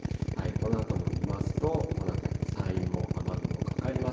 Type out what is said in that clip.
このあとも見ますと、この辺り、山陰も雨雲かかります。